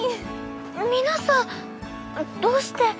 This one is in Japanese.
皆さんどうして。